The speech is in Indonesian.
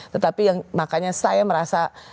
tetapi yang makanya saya merasa